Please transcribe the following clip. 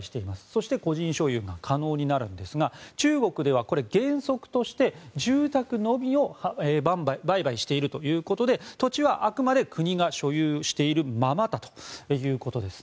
そして個人所有が可能になるんですが中国では原則として住宅のみを売買しているということで土地はあくまで国が所有しているままだということです。